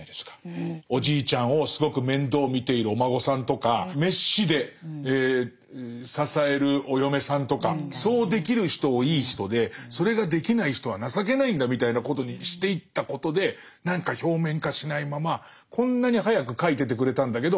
おじいちゃんをすごく面倒見ているお孫さんとか滅私で支えるお嫁さんとかそうできる人をいい人でそれができない人は情けないんだみたいなことにしていったことで何か表面化しないままこんなに早く書いててくれたんだけど。